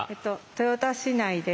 豊田市内です。